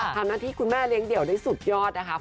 ทำหน้าที่คุณแม่เลี้ยเดี่ยวได้สุดยอดนะคะ